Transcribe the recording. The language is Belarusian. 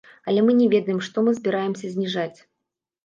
Але мы не ведаем, што мы збіраемся зніжаць.